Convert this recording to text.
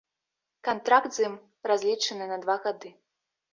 Кантракт з ім разлічаны на два гады.